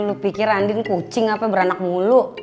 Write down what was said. lu pikir andin kucing apa beranak mulu